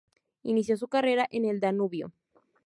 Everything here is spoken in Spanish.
Inició su carrera en el Danubio.